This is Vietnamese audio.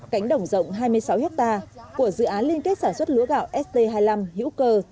cánh đồng rộng hai mươi sáu hectare của dự án liên kết sản xuất lúa gạo st hai mươi năm hữu cơ